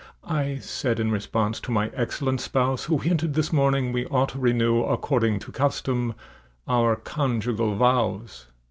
I said in response to my excellent spouse, Who hinted, this morning, we ought to renew According to custom, our conjugal vows.